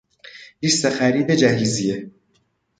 لیست خرید جهیزیه: